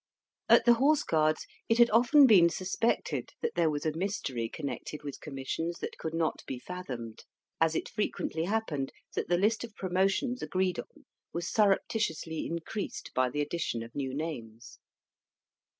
At the Horse Guards, it had often been suspected that there was a mystery connected with commissions that could not be fathomed; as it frequently happened that the list of promotions agreed on was surreptitiously increased by the addition of new names.